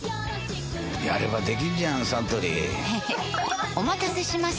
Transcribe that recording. やればできんじゃんサントリーへへっお待たせしました！